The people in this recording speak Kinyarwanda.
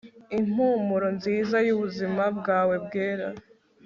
impumuro nziza yubuzima bwawe bwera